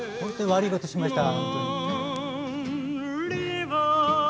悪いことしました。